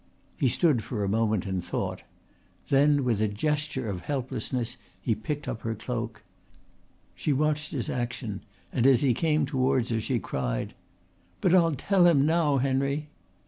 He stood for a moment in thought. Then with a gesture of helplessness he picked up her cloak. She watched his action and as he came towards her she cried: "But I'll tell him now, Henry."